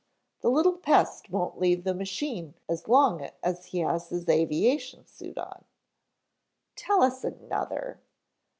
The little pest won't leave the machine as long as he has his aviation suit on." "Tell us another."